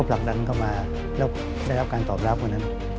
ประดับการตอบรับของนั้น